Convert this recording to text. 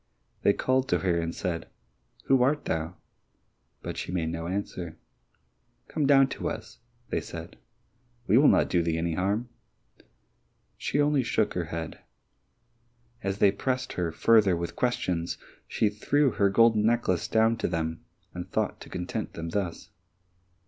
They called to her and said, "Who art thou?" But she made no answer. "Come down to us," said they. "We will not do thee any harm." She only shook her head. As they pressed her further with questions she threw her golden necklace down to them, and thought to content them thus.